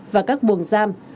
và các buồng giam